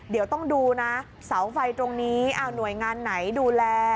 เดี๋ยวต้องดูนะเสาไฟตรงนี้หน่วยงานไหนดูแล